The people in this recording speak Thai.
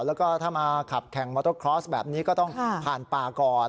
แล้วก็ถ้ามาขับแข่งมอเตอร์คลอสแบบนี้ก็ต้องผ่านป่าก่อน